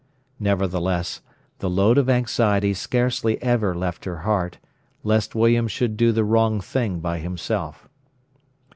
Nevertheless, the load of anxiety scarcely ever left her heart, lest William should do the wrong thing by himself.